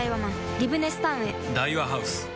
リブネスタウンへ・